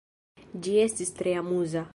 Ĝi estis tre amuza.